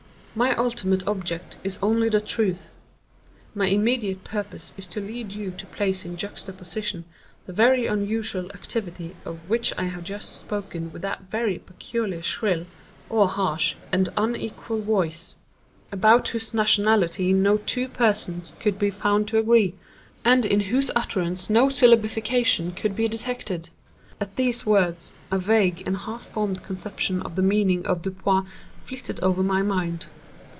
My ultimate object is only the truth. My immediate purpose is to lead you to place in juxtaposition, that very unusual activity of which I have just spoken with that very peculiar shrill (or harsh) and unequal voice, about whose nationality no two persons could be found to agree, and in whose utterance no syllabification could be detected." At these words a vague and half formed conception of the meaning of Dupin flitted over my mind.